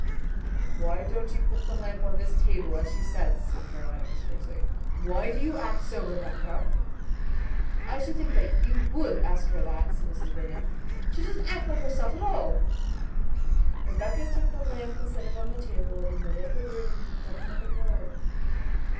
"Why don't you put the lamp on this table, as she says?" asked Caroline, almost fiercely. "Why do you act so, Rebecca?" "I should think you WOULD ask her that," said Mrs. Brigham. "She doesn't act like herself at all." Rebecca took the lamp and set it on the table in the middle of the room without another word.